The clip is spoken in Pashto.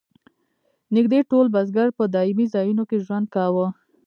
نږدې ټول بزګر په دایمي ځایونو کې ژوند کاوه.